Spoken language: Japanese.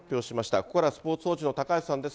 これからはスポーツ報知のたかはしさんです。